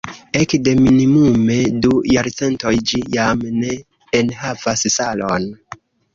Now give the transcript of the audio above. Ekde minimume du jarcentoj ĝi jam ne enhavas salon.